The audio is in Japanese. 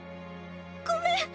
ごめん。